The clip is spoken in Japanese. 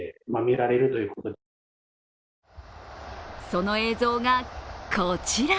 その映像がこちら。